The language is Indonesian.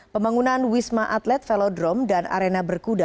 pembangunan wisma atlet velodrome dan arena berkuda